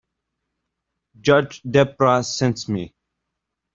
Judge Debra sent me.